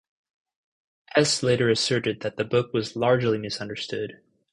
Hesse later asserted that the book was largely misunderstood.